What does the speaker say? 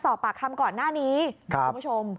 สอบปากคำก่อนหน้านี้คุณผู้ชม